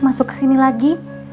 masuk ke sini lagi